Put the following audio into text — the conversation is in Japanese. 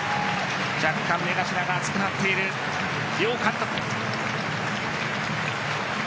若干、目頭が熱くなっている両監督。